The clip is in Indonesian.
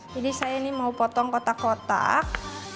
jadi saya ini mau potong kotak kotak